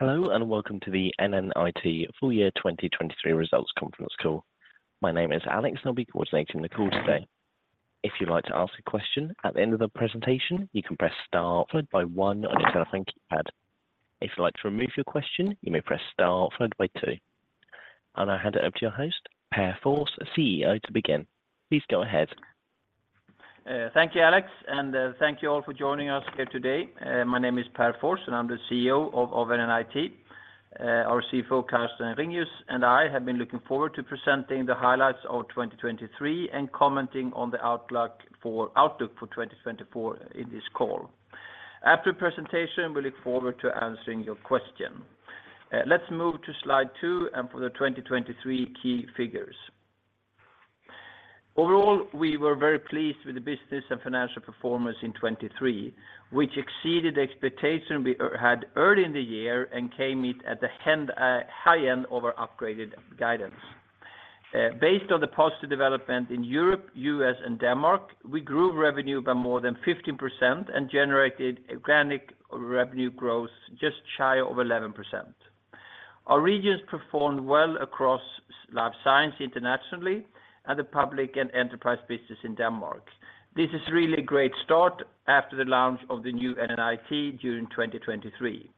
Hello, and welcome to the NNIT Full Year 2023 Results Conference Call. My name is Alex, and I'll be coordinating the call today. If you'd like to ask a question at the end of the presentation, you can press Star followed by one on your telephone keypad. If you'd like to remove your question, you may press Star followed by two. I'll now hand it over to your host, Pär Fors, CEO, to begin. Please go ahead. Thank you, Alex, and thank you all for joining us here today. My name is Pär Fors, and I'm the CEO of NNIT. Our CFO, Carsten Ringius, and I have been looking forward to presenting the highlights of 2023 and commenting on the outlook for 2024 in this call. After the presentation, we look forward to answering your question. Let's move to slide 2, and for the 2023 key figures. Overall, we were very pleased with the business and financial performance in 2023, which exceeded the expectation we had early in the year and came in at the high end of upgraded guidance. Based on the positive development in Europe, US, and Denmark, we grew revenue by more than 15% and generated organic revenue growth just shy of 11%. Our regions performed well across life science internationally and the public and enterprise business in Denmark. This is really a great start after the launch of the new NNIT during 2023.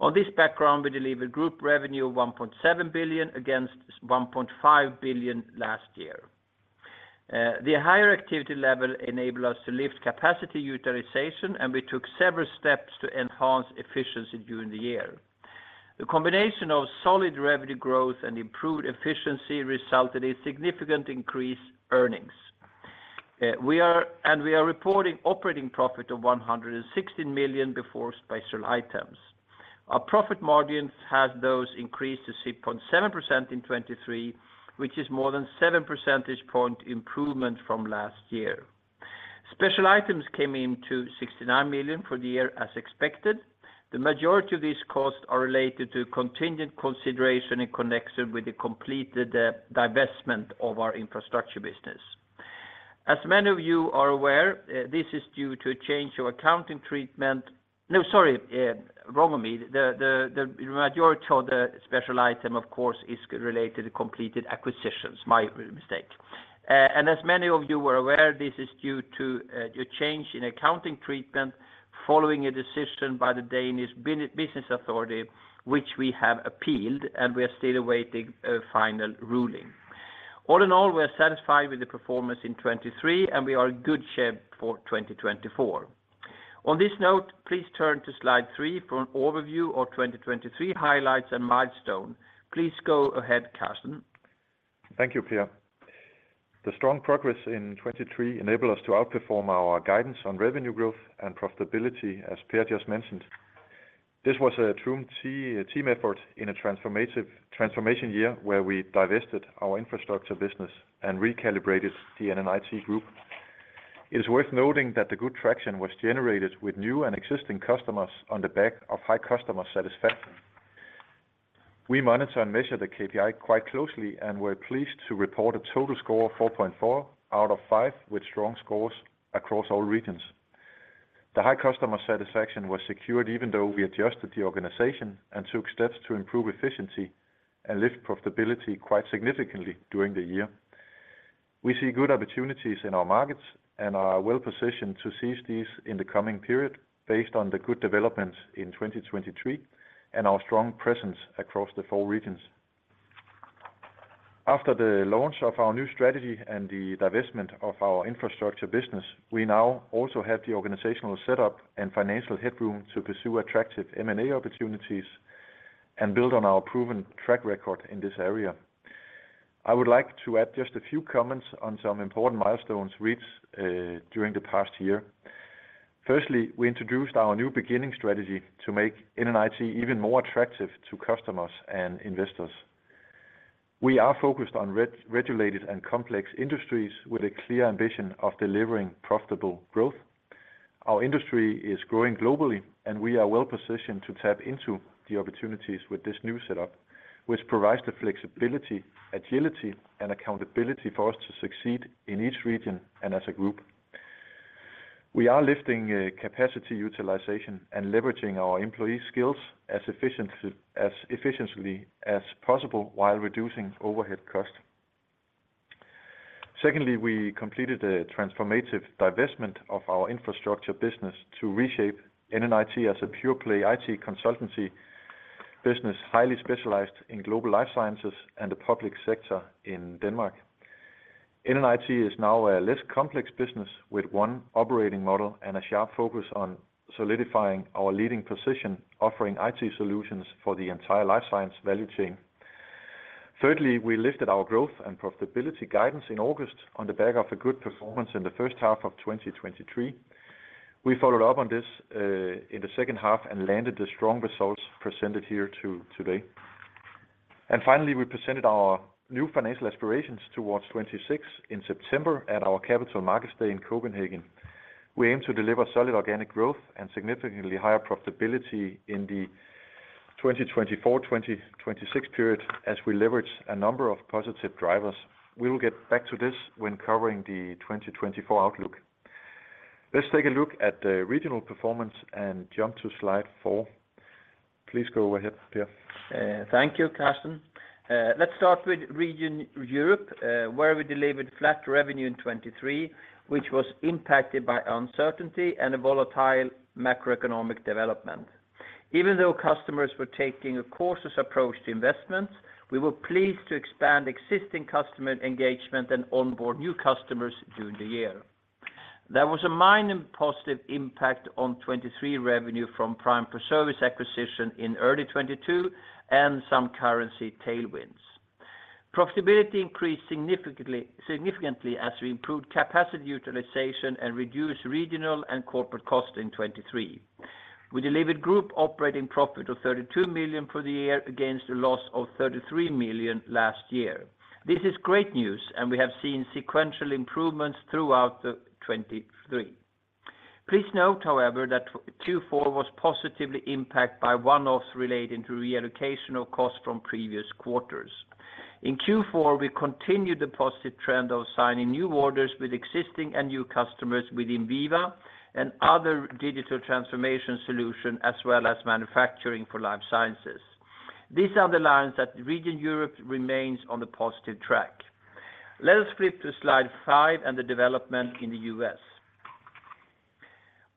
On this background, we delivered group revenue of 1.7 billion against 1.5 billion last year. The higher activity level enabled us to lift capacity utilization, and we took several steps to enhance efficiency during the year. The combination of solid revenue growth and improved efficiency resulted in significant increased earnings. We are reporting operating profit of 116 million before special items. Our profit margins had those increased to 6.7% in 2023, which is more than 7 percentage point improvement from last year. Special items came in to 69 million for the year as expected. The majority of these costs are related to contingent consideration in connection with the completed divestment of our infrastructure business. As many of you are aware, this is due to a change of accounting treatment... No, sorry, wrong of me. The majority of the special item, of course, is related to completed acquisitions. My mistake. And as many of you were aware, this is due to a change in accounting treatment following a decision by the Danish Business Authority, which we have appealed, and we are still awaiting a final ruling. All in all, we are satisfied with the performance in 2023, and we are in good shape for 2024. On this note, please turn to slide 3 for an overview of 2023 highlights and milestone. Please go ahead, Carsten. Thank you, Pär. The strong progress in 2023 enabled us to outperform our guidance on revenue growth and profitability, as Pär just mentioned. This was a true team effort in a transformation year, where we divested our infrastructure business and recalibrated the NNIT Group. It is worth noting that the good traction was generated with new and existing customers on the back of high customer satisfaction. We monitor and measure the KPI quite closely, and we're pleased to report a total score of 4.4 out of 5, with strong scores across all regions. The high customer satisfaction was secured even though we adjusted the organization and took steps to improve efficiency and lift profitability quite significantly during the year. We see good opportunities in our markets and are well positioned to seize these in the coming period, based on the good developments in 2023 and our strong presence across the four regions. After the launch of our new strategy and the divestment of our infrastructure business, we now also have the organizational setup and financial headroom to pursue attractive M&A opportunities and build on our proven track record in this area. I would like to add just a few comments on some important milestones reached during the past year. Firstly, we introduced our New Beginning strategy to make NNIT even more attractive to customers and investors. We are focused on regulated and complex industries with a clear ambition of delivering profitable growth. Our industry is growing globally, and we are well positioned to tap into the opportunities with this new setup, which provides the flexibility, agility, and accountability for us to succeed in each region and as a group. We are lifting capacity utilization and leveraging our employee skills as efficiency, as efficiently as possible while reducing overhead costs. Secondly, we completed a transformative divestment of our infrastructure business to reshape NNIT as a pure-play IT consultancy business, highly specialized in global Life Sciences and the public sector in Denmark. NNIT is now a less complex business, with one operating model and a sharp focus on solidifying our leading position, offering IT solutions for the entire Life Sciences value chain. Thirdly, we lifted our growth and profitability guidance in August on the back of a good performance in the first half of 2023. We followed up on this in the second half and landed the strong results presented here today. Finally, we presented our new financial aspirations towards 2026 in September at our Capital Markets Day in Copenhagen. We aim to deliver solid organic growth and significantly higher profitability in the 2024-2026 period as we leverage a number of positive drivers. We will get back to this when covering the 2024 outlook. Let's take a look at the regional performance and jump to slide 4. Please go ahead, Pär. Thank you, Carsten. Let's start with Region Europe, where we delivered flat revenue in 2023, which was impacted by uncertainty and a volatile macroeconomic development. Even though customers were taking a cautious approach to investments, we were pleased to expand existing customer engagement and onboard new customers during the year. There was a minor positive impact on 2023 revenue from Prime4Services acquisition in early 2022, and some currency tailwinds. Profitability increased significantly, significantly as we improved capacity utilization and reduced regional and corporate cost in 2023. We delivered group operating profit of 32 million for the year, against a loss of 33 million last year. This is great news, and we have seen sequential improvements throughout the 2023. Please note, however, that Q4 was positively impacted by one-offs relating to reallocation of costs from previous quarters. In Q4, we continued the positive trend of signing new orders with existing and new customers within Veeva and other digital transformation solution, as well as manufacturing for life sciences. These are the lines that Region Europe remains on the positive track. Let us flip to Slide 5 and the development in the U.S.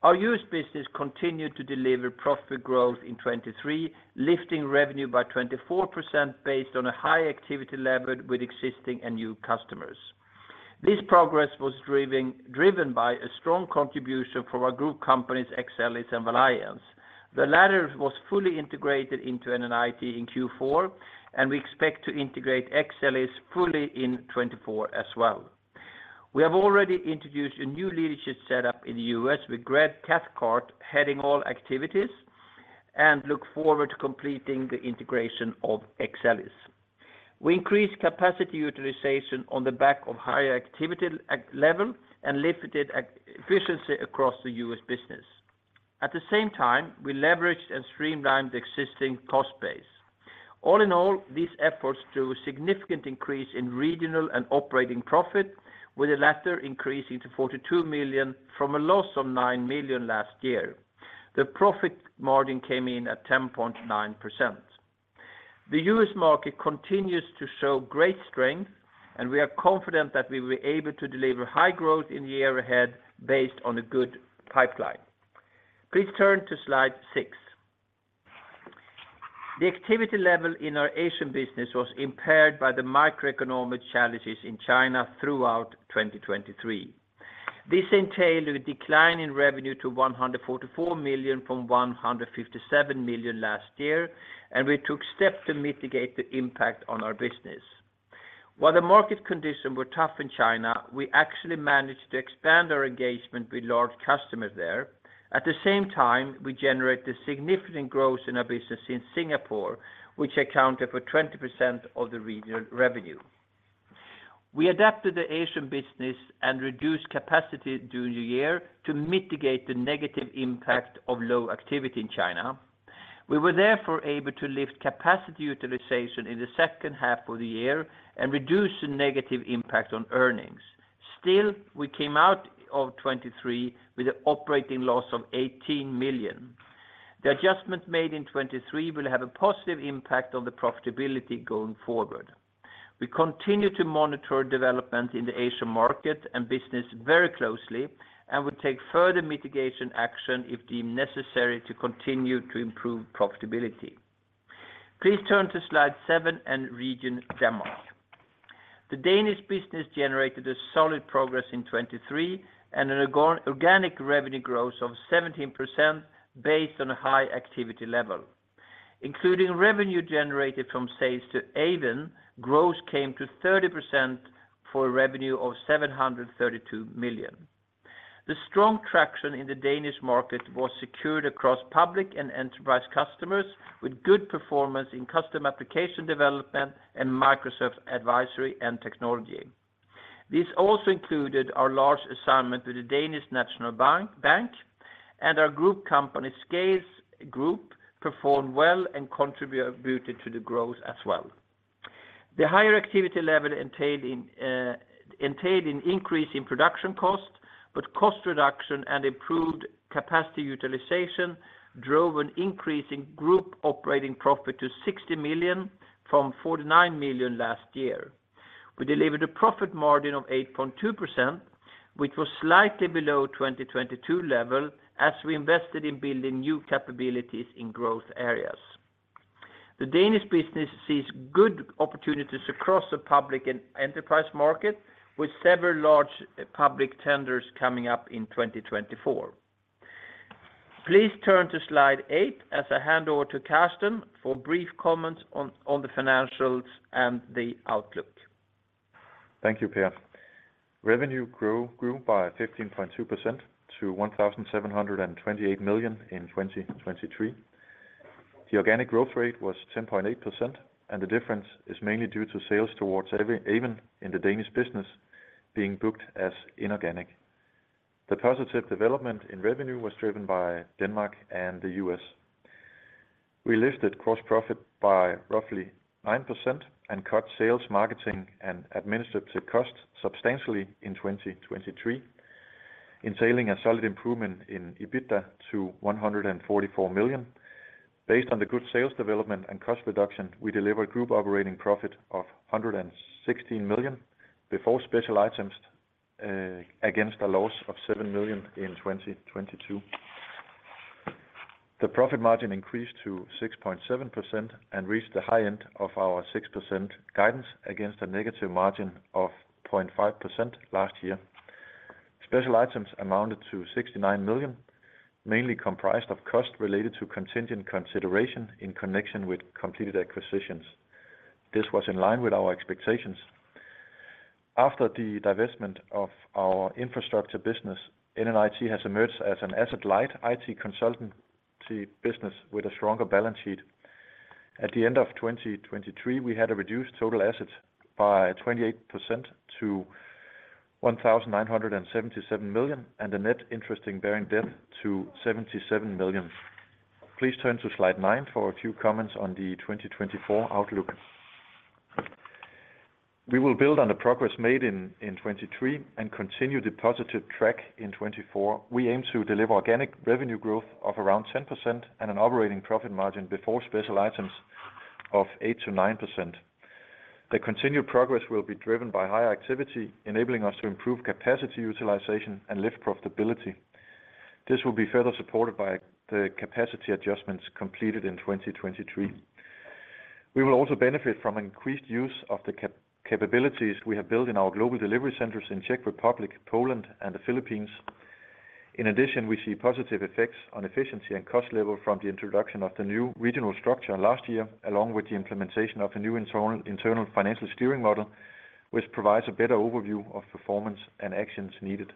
Our U.S. business continued to deliver profit growth in 2023, lifting revenue by 24% based on a high activity level with existing and new customers. This progress was driving, driven by a strong contribution from our group companies, Excellis and Valiance. The latter was fully integrated into NNIT in Q4, and we expect to integrate Excellis fully in 2024 as well. We have already introduced a new leadership setup in the U.S., with Greg Cathcart heading all activities, and look forward to completing the integration of Excellis. We increased capacity utilization on the back of higher activity, level and lifted efficiency across the U.S. business. At the same time, we leveraged and streamlined the existing cost base. All in all, these efforts drew a significant increase in regional and operating profit, with the latter increasing to 42 million from a loss of 9 million last year. The profit margin came in at 10.9%. The U.S. market continues to show great strength, and we are confident that we will be able to deliver high growth in the year ahead based on a good pipeline. Please turn to Slide 6. The activity level in our Asian business was impaired by the macroeconomic challenges in China throughout 2023. This entailed a decline in revenue to 144 million from 157 million last year, and we took steps to mitigate the impact on our business. While the market conditions were tough in China, we actually managed to expand our engagement with large customers there. At the same time, we generated significant growth in our business in Singapore, which accounted for 20% of the regional revenue. We adapted the Asian business and reduced capacity during the year to mitigate the negative impact of low activity in China. We were therefore able to lift capacity utilization in the second half of the year and reduce the negative impact on earnings. Still, we came out of 2023 with an operating loss of 18 million. The adjustment made in 2023 will have a positive impact on the profitability going forward. We continue to monitor development in the Asian market and business very closely, and will take further mitigation action, if deemed necessary, to continue to improve profitability. Please turn to Slide 7 and Region Denmark. The Danish business generated a solid progress in 2023 and an organic revenue growth of 17% based on a high activity level. Including revenue generated from sales to Aeven, growth came to 30% for a revenue of 732 million. The strong traction in the Danish market was secured across public and enterprise customers, with good performance in custom application development and Microsoft Advisory and Technology. This also included our large assignment with the Danish National Bank, and our group company, Scales Group, performed well and contributed to the growth as well. The higher activity level entailed an increase in production cost, but cost reduction and improved capacity utilization drove an increase in group operating profit to 60 million from 49 million last year. We delivered a profit margin of 8.2%, which was slightly below 2022 level, as we invested in building new capabilities in growth areas. The Danish business sees good opportunities across the public and enterprise market, with several large public tenders coming up in 2024. Please turn to Slide 8 as I hand over to Carsten for brief comments on the financials and the outlook. Thank you, Pär. Revenue grew by 15.2% to 1,728 million in 2023. The organic growth rate was 10.8%, and the difference is mainly due to sales towards Aeven in the Danish business being booked as inorganic. The positive development in revenue was driven by Denmark and the U.S. We lifted gross profit by roughly 9% and cut sales, marketing, and administrative costs substantially in 2023, ensuring a solid improvement in EBITDA to 144 million. Based on the good sales development and cost reduction, we delivered group operating profit of 116 million before special items against a loss of 7 million in 2022. The profit margin increased to 6.7% and reached the high end of our 6% guidance against a negative margin of 0.5% last year. Special items amounted to 69 million, mainly comprised of costs related to contingent consideration in connection with completed acquisitions. This was in line with our expectations. After the divestment of our infrastructure business, NNIT has emerged as an asset-light IT consultancy business with a stronger balance sheet. At the end of 2023, we had a reduced total assets by 28% to 1,977 million, and a net interest-bearing debt to 77 million. Please turn to slide 9 for a few comments on the 2024 outlook. We will build on the progress made in 2023 and continue the positive track in 2024. We aim to deliver organic revenue growth of around 10% and an operating profit margin before special items of 8%-9%. The continued progress will be driven by higher activity, enabling us to improve capacity utilization and lift profitability. This will be further supported by the capacity adjustments completed in 2023. We will also benefit from increased use of the capabilities we have built in our global delivery centers in Czech Republic, Poland, and the Philippines. In addition, we see positive effects on efficiency and cost level from the introduction of the new regional structure last year, along with the implementation of a new internal financial steering model, which provides a better overview of performance and actions needed.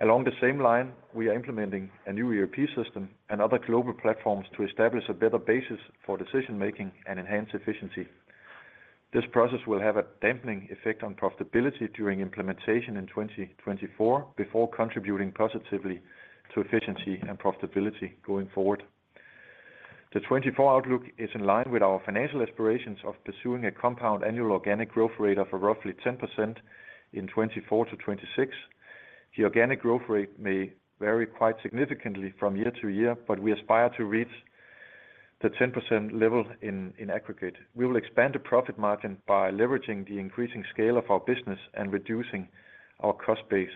Along the same line, we are implementing a new ERP system and other global platforms to establish a better basis for decision making and enhance efficiency. This process will have a dampening effect on profitability during implementation in 2024, before contributing positively to efficiency and profitability going forward. The 2024 outlook is in line with our financial aspirations of pursuing a compound annual organic growth rate of roughly 10% in 2024-2026. The organic growth rate may vary quite significantly from year to year, but we aspire to reach the 10% level in aggregate. We will expand the profit margin by leveraging the increasing scale of our business and reducing our cost base.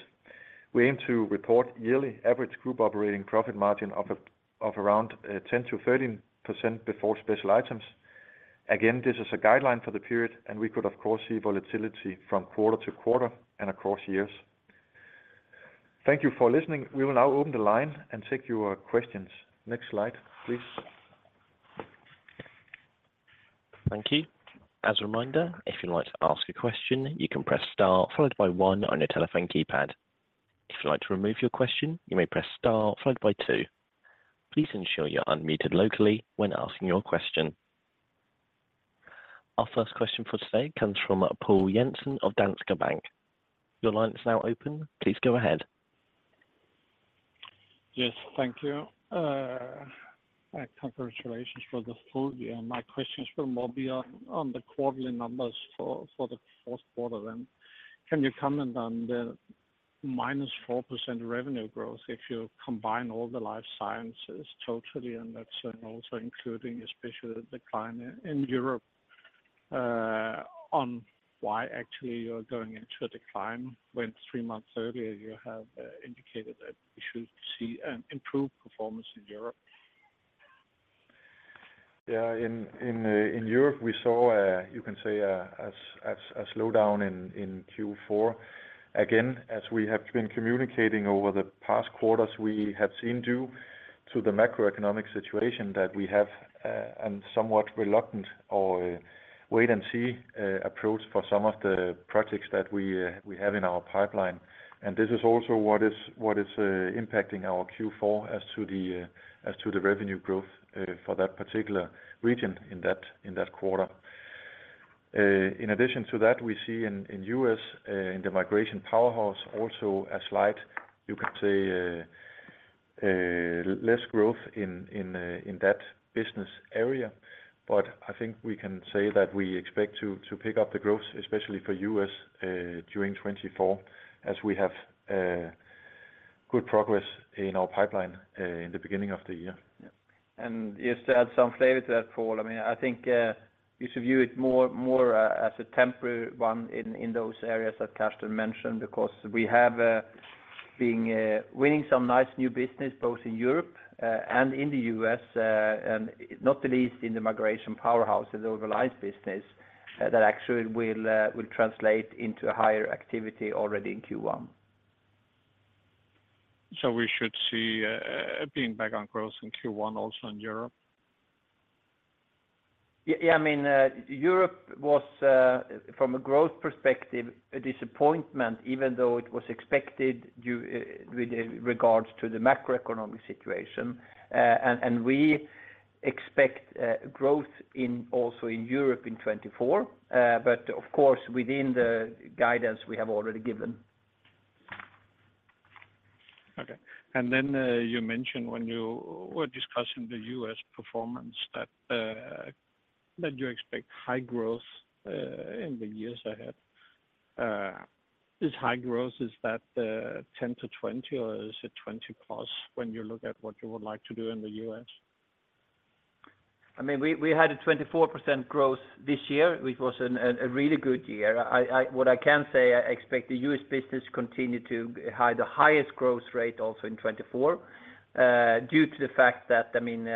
We aim to report yearly average group operating profit margin of around 10%-13% before special items. Again, this is a guideline for the period, and we could, of course, see volatility from quarter to quarter and across years. Thank you for listening. We will now open the line and take your questions. Next slide, please. Thank you. As a reminder, if you'd like to ask a question, you can press star followed by one on your telephone keypad. If you'd like to remove your question, you may press star followed by two. Please ensure you're unmuted locally when asking your question. Our first question for today comes from Poul Jessen of Danske Bank. Your line is now open. Please go ahead. Yes, thank you. And congratulations for the full year. My question is for more beyond on the quarterly numbers for the fourth quarter then. Can you comment on the -4% revenue growth if you combine all the life sciences totally, and that's also including a special decline in Europe on why actually you're going into a decline when three months earlier you have indicated that you should see an improved performance in Europe? Yeah, in Europe, we saw a, you can say, a slowdown in Q4. Again, as we have been communicating over the past quarters, we have seen due to the macroeconomic situation, that we have and somewhat reluctant or wait-and-see approach for some of the projects that we have in our pipeline. And this is also what is impacting our Q4 as to the revenue growth for that particular region in that quarter. In addition to that, we see in U.S., in the Migration Powerhouse, also a slight, you could say, less growth in that business area. I think we can say that we expect to pick up the growth, especially for US, during 2024, as we have good progress in our pipeline, in the beginning of the year. Yeah. And just to add some flavor to that, Poul, I mean, I think you should view it more as a temporary one in those areas that Carsten mentioned, because we have been winning some nice new business, both in Europe and in the US, and not the least in the Migration Powerhouse, in the organized business, that actually will translate into a higher activity already in Q1. So we should see, being back on growth in Q1, also in Europe? Yeah, yeah, I mean, Europe was, from a growth perspective, a disappointment, even though it was expected due with regards to the macroeconomic situation. We expect growth also in Europe in 2024, but of course, within the guidance we have already given. Okay, and then, you mentioned when you were discussing the US performance that you expect high growth in the years ahead. Is high growth, is that 10-20, or is it 20+ when you look at what you would like to do in the US? I mean, we had a 24% growth this year, which was a really good year. What I can say, I expect the U.S. business continue to have the highest growth rate also in 2024. Due to the fact that, I mean,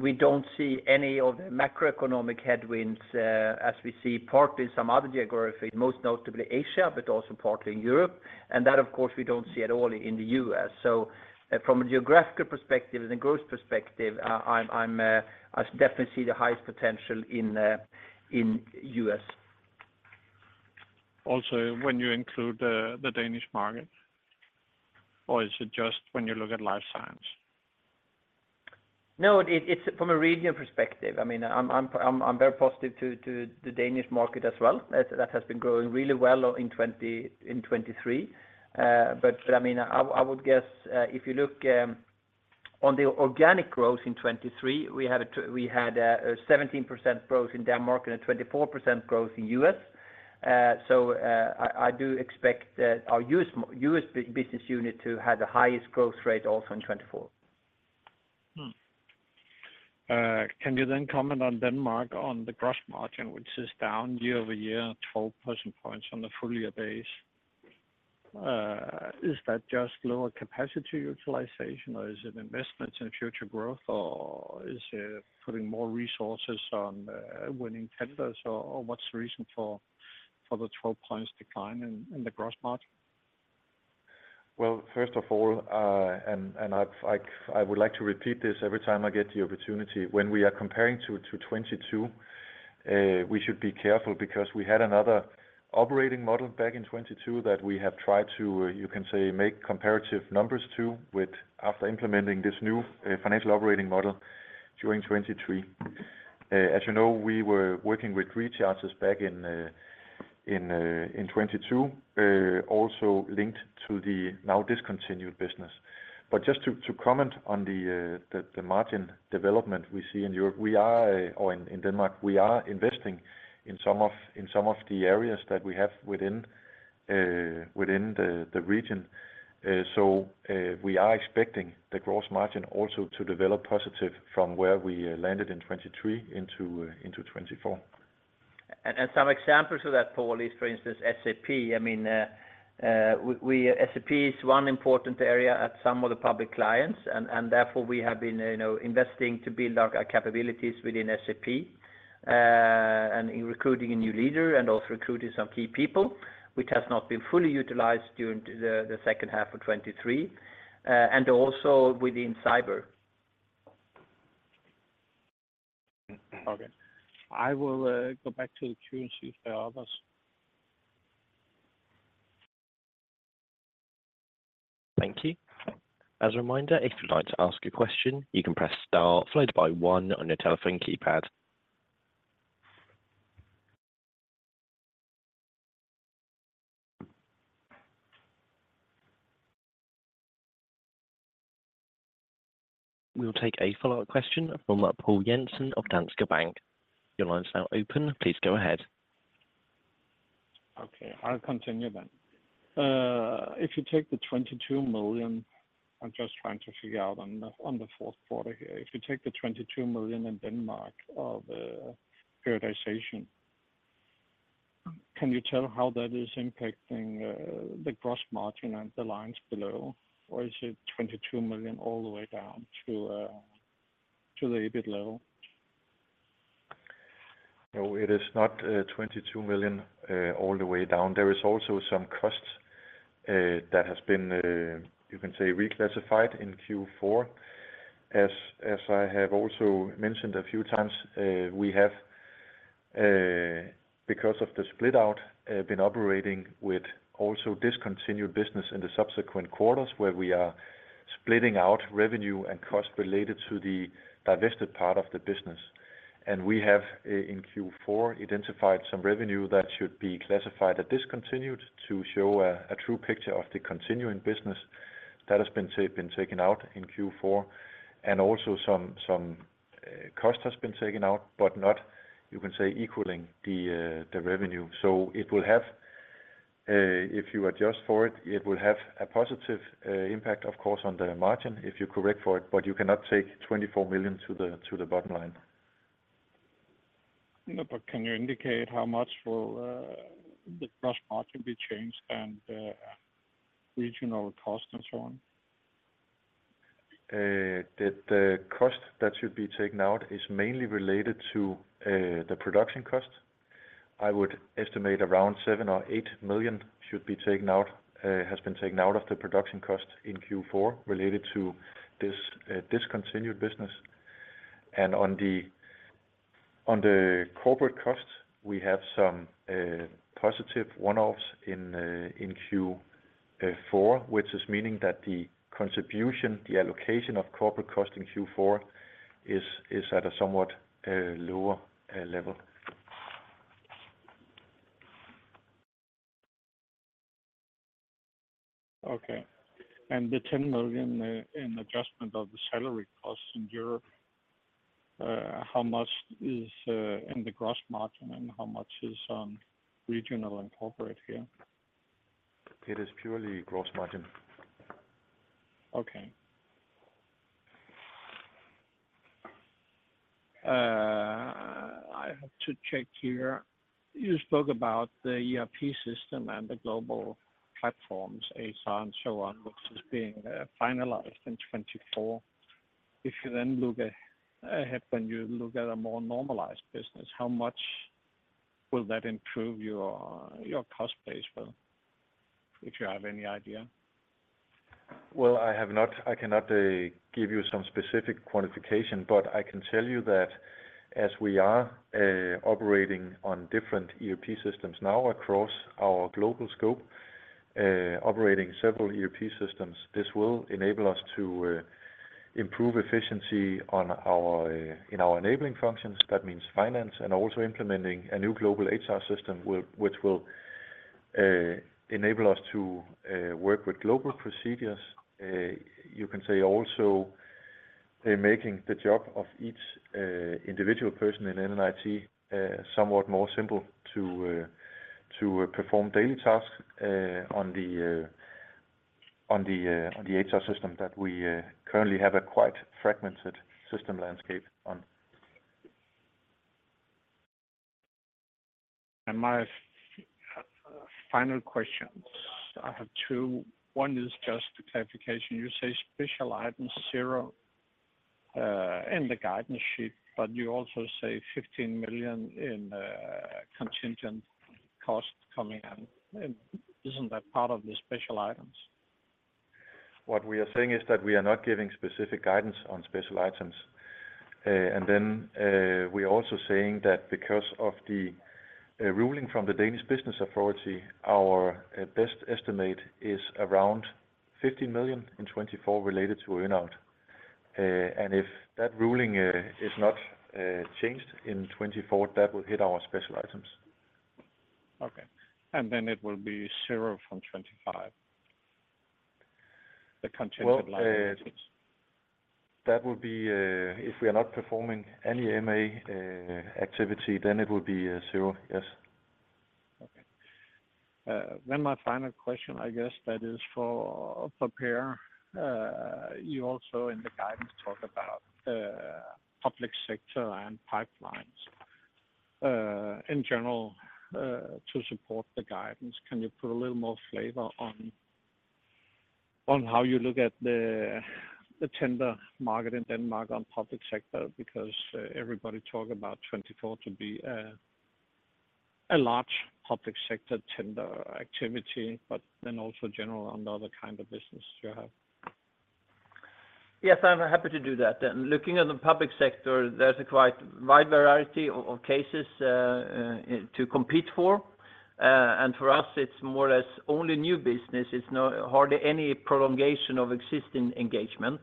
we don't see any of the macroeconomic headwinds, as we see partly in some other geographies, most notably Asia, but also partly in Europe. And that, of course, we don't see at all in the U.S. So from a geographical perspective and a growth perspective, I definitely see the highest potential in U.S. Also, when you include the Danish market, or is it just when you look at life science? No, it's from a regional perspective. I mean, I'm very positive to the Danish market as well. That has been growing really well in 2023. But, I mean, I would guess, if you look on the organic growth in 2023, we had a 17% growth in Denmark and a 24% growth in US. So, I do expect our US business unit to have the highest growth rate also in 2024. Hmm. Can you then comment on Denmark, on the gross margin, which is down year-over-year, 12 percentage points on the full-year base? Is that just lower capacity utilization, or is it investments in future growth, or is it putting more resources on winning tenders? Or what's the reason for the 12 points decline in the gross margin? Well, first of all, I would like to repeat this every time I get the opportunity. When we are comparing to 2022, we should be careful because we had another operating model back in 2022 that we have tried to, you can say, make comparative numbers to, with after implementing this new financial operating model during 2023. As you know, we were working with recharges back in 2022, also linked to the now discontinued business. But just to comment on the margin development we see in Europe, or in Denmark, we are investing in some of the areas that we have within the region. We are expecting the gross margin also to develop positive from where we landed in 2023 into 2024. Some examples of that, Poul, is, for instance, SAP. I mean, we SAP is one important area at some of the public clients, and therefore, we have been, you know, investing to build our capabilities within SAP, and in recruiting a new leader, and also recruiting some key people, which has not been fully utilized during the second half of 2023, and also within cyber. Okay. I will go back to the queue and see if there are others. Thank you. As a reminder, if you'd like to ask a question, you can press star followed by one on your telephone keypad. We'll take a follow-up question from Paul Jensen of Danske Bank. Your line is now open. Please go ahead. Okay, I'll continue then. If you take the 22 million, I'm just trying to figure out on the, on the fourth quarter here. If you take the 22 million in Denmark of periodization, can you tell how that is impacting the gross margin and the lines below? Or is it 22 million all the way down to to the EBIT level? No, it is not 22 million all the way down. There is also some cost that has been, you can say, reclassified in Q4. As I have also mentioned a few times, we have, because of the split out, been operating with also discontinued business in the subsequent quarters, where we are splitting out revenue and cost related to the divested part of the business. And we have, in Q4, identified some revenue that should be classified as discontinued to show a true picture of the continuing business that has been taken out in Q4, and also some cost has been taken out, but not, you can say, equaling the revenue. So it will have, if you adjust for it, it will have a positive impact, of course, on the margin, if you correct for it, but you cannot take 24 million to the bottom line. No, but can you indicate how much will the gross margin be changed and regional cost and so on? The cost that should be taken out is mainly related to the production cost. I would estimate around 7 million-8 million should be taken out, has been taken out of the production cost in Q4, related to this discontinued business. On the corporate cost, we have some positive one-offs in Q4, which is meaning that the contribution, the allocation of corporate cost in Q4 is at a somewhat lower level. Okay. And the 10 million in adjustment of the salary costs in Europe, how much is in the gross margin, and how much is regional and corporate here? It is purely gross margin. Okay. I have to check here. You spoke about the ERP system and the global platforms, HR and so on, which is being finalized in 2024. If you then look ahead, when you look at a more normalized business, how much will that improve your, your cost base, well, if you have any idea? Well, I have not—I cannot give you some specific quantification, but I can tell you that as we are operating on different ERP systems now across our global scope, operating several ERP systems, this will enable us to improve efficiency on our in our enabling functions. That means finance and also implementing a new global HR system, which will enable us to work with global procedures. You can say also making the job of each individual person in NNIT somewhat more simple to perform daily tasks on the HR system that we currently have a quite fragmented system landscape on. My final questions, I have two. One is just a clarification. You say Special Items 0 in the guidance sheet, but you also say 15 million in contingent cost coming in. Isn't that part of the Special Items? What we are saying is that we are not giving specific guidance on Special Items. And then, we're also saying that because of the ruling from the Danish Business Authority, our best estimate is around 15 million in 2024 related to earn-out. And if that ruling is not changed in 2024, that will hit our Special Items. Okay. And then it will be zero from 2025, the contingent line items? Well, that would be, if we are not performing any M&A, activity, then it will be, zero. Yes. Okay. Then my final question, I guess, that is for Pär. You also, in the guidance, talk about public sector and pipelines in general to support the guidance. Can you put a little more flavor on how you look at the tender market in Denmark on public sector? Because everybody talk about 2024 to be a large public sector tender activity, but then also general on the other kind of business you have. Yes, I'm happy to do that. And looking at the public sector, there's a quite wide variety of cases to compete for. And for us, it's more or less only new business. It's hardly any prolongation of existing engagement.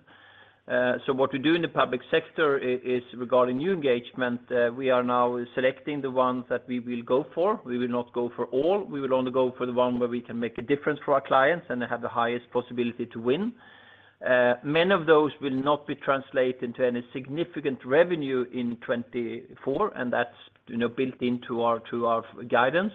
So what we do in the public sector is regarding new engagement, we are now selecting the ones that we will go for. We will not go for all. We will only go for the one where we can make a difference for our clients and they have the highest possibility to win. Many of those will not be translated into any significant revenue in 2024, and that's, you know, built into our guidance,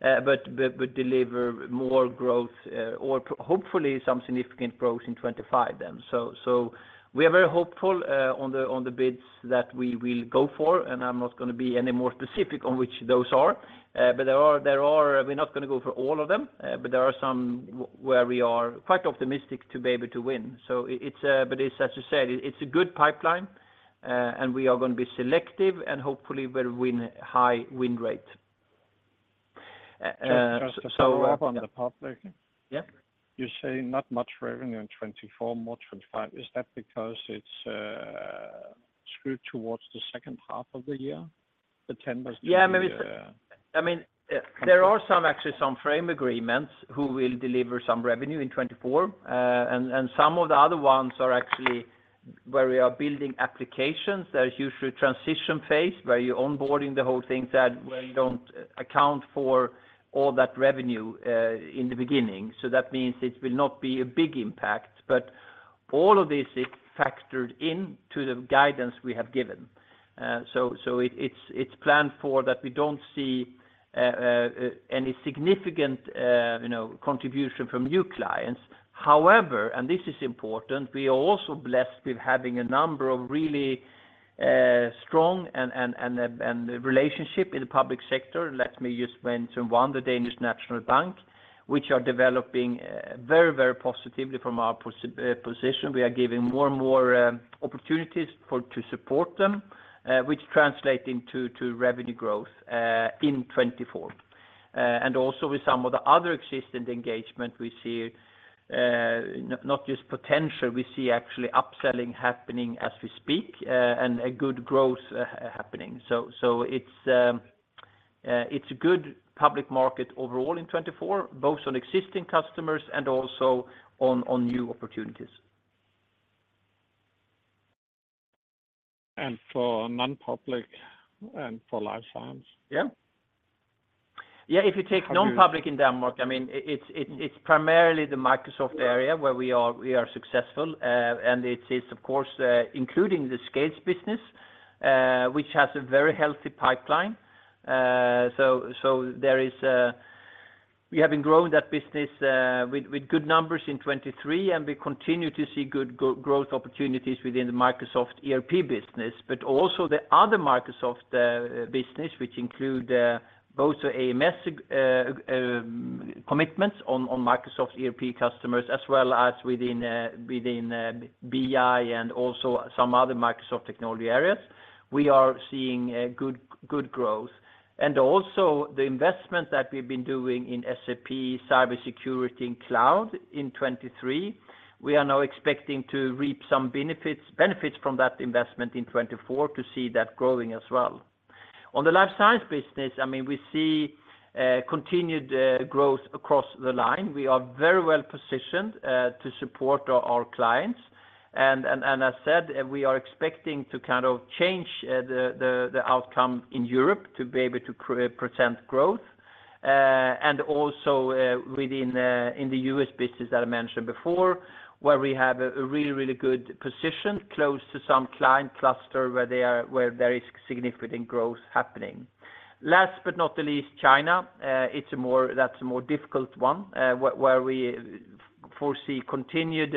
but will deliver more growth, or hopefully some significant growth in 2025 then. So, we are very hopeful on the bids that we will go for, and I'm not going to be any more specific on which those are. But there are... We're not going to go for all of them, but there are some where we are quite optimistic to be able to win. So it's, but it's, as you said, it's a good pipeline, and we are going to be selective, and hopefully, we'll win high win rate. So- Just to follow up on the public. Yeah. You say not much revenue in 2024, more 2025. Is that because it's skewed towards the second half of the year, the tenders? Yeah, maybe. Uh. I mean, there are some, actually, some frame agreements who will deliver some revenue in 2024. And some of the other ones are actually where we are building applications. There's usually a transition phase where you're onboarding the whole thing, that where you don't account for all that revenue in the beginning. So that means it will not be a big impact, but all of this is factored into the guidance we have given. So it's planned for that we don't see any significant, you know, contribution from new clients. However, and this is important, we are also blessed with having a number of really strong and relationship in the public sector. Let me just mention one, the Danish National Bank, which are developing very, very positively from our position. We are giving more and more opportunities for to support them, which translate into to revenue growth in 2024. And also with some of the other existing engagement, we see not just potential, we see actually upselling happening as we speak, and a good growth happening. So it's a good public market overall in 2024, both on existing customers and also on new opportunities. and for non-public and for life science? Yeah. Yeah, if you take non-public in Denmark, I mean, it it's primarily the Microsoft area where we are successful. And it is, of course, including the Scales business, which has a very healthy pipeline. So there is a—we have been growing that business with good numbers in 2023, and we continue to see good growth opportunities within the Microsoft ERP business, but also the other Microsoft business, which include both the AMS commitments on Microsoft ERP customers, as well as within BI and also some other Microsoft technology areas. We are seeing a good growth. And also the investment that we've been doing in SAP, cybersecurity, and cloud in 2023, we are now expecting to reap some benefits, benefits from that investment in 2024 to see that growing as well. On the life science business, I mean, we see continued growth across the line. We are very well positioned to support our clients. And as I said, we are expecting to kind of change the outcome in Europe to be able to create % growth, and also within in the US business that I mentioned before, where we have a really, really good position close to some client cluster where they are where there is significant growth happening. Last but not the least, China, it's a more difficult one, where we foresee continued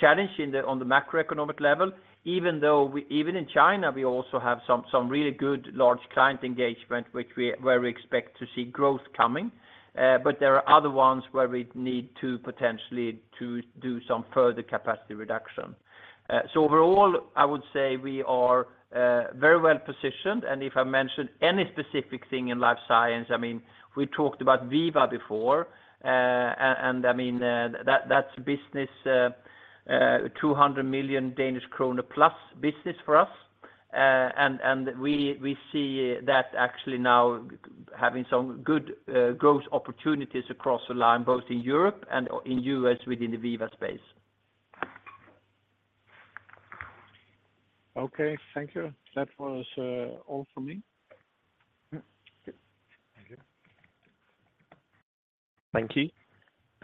challenge on the macroeconomic level, even though even in China, we also have some really good large client engagement, where we expect to see growth coming, but there are other ones where we need to potentially do some further capacity reduction. So overall, I would say we are very well-positioned, and if I mentioned any specific thing in life science, I mean, we talked about Veeva before, and I mean, that's business, 200 million Danish krone plus business for us. And we see that actually now having some good growth opportunities across the line, both in Europe and in U.S. within the Veeva space. Okay, thank you. That was all for me. Yeah. Thank you. Thank you.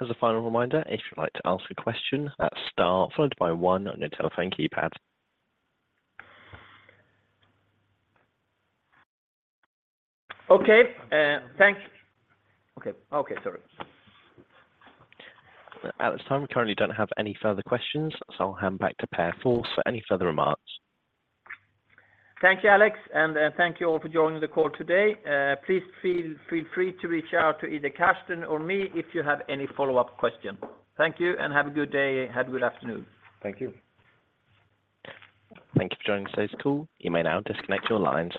As a final reminder, if you'd like to ask a question, that's star followed by one on your telephone keypad. Okay, thank you. Okay. Okay, sorry. At this time, we currently don't have any further questions, so I'll hand back to Pär Fors for any further remarks. Thank you, Alex, and thank you all for joining the call today. Please feel free to reach out to either Carsten or me if you have any follow-up questions. Thank you, and have a good day, and have a good afternoon. Thank you. Thank you for joining today's call. You may now disconnect your lines.